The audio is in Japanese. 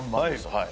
はい